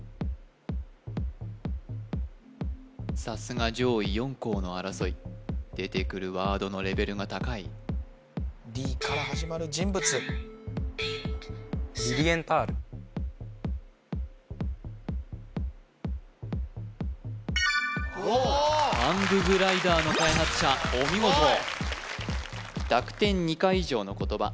さすが上位４校の争い出てくるワードのレベルが高いハンググライダーの開発者お見事濁点２回以上の言葉